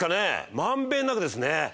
満遍なくですね。